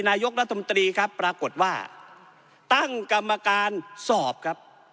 นายกรัฐมนตรีครับปรากฏว่าตั้งกรรมการสอบครับ